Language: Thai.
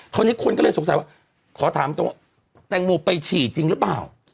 คนนี้คนก็เลยสงสัยว่าขอถามตรงว่าแตงโมไปฉี่จริงหรือเปล่า